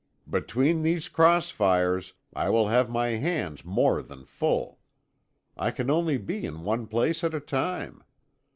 "Between these cross fires, I will have my hands more than full. I can only be in one place at a time.